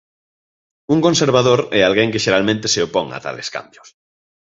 Un conservador é alguén que xeralmente se opón a tales cambios.